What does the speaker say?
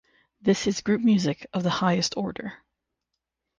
This is group music of the highest order.